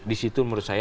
disitu menurut saya